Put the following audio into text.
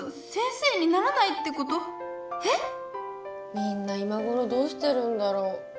みんな今ごろどうしてるんだろう。